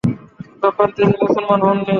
তখন তিনি মুসলমান হননি।